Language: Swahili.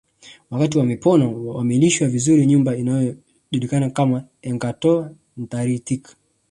Wakati wamepona na wamelishwa vizuri nyumba inayojulikana kama Enkangoo Ntaritik